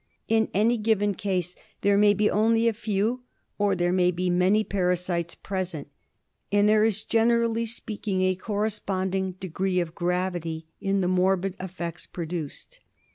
In any given case there may be only a few, or there may be many para sites present, and there is, gene rally speaking, a corresponding degree of gravity in the morbid effects produced.